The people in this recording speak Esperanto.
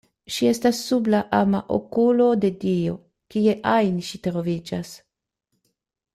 Ŝi estas sub la ama okulo de Dio, kie ajn ŝi troviĝas.